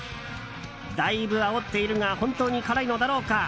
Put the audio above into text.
だいぶあおっているが本当に辛いのだろうか。